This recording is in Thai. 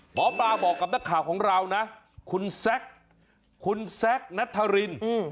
หมอปลาบอกกับนักข่าวของเรานะคุณแซคคุณแซคนัทริน